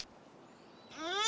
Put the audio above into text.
うん。